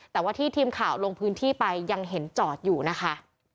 แต่ว่าที่ทีมข่าวลงพื้นที่ไปยังเห็นจอดอยู่นะคะ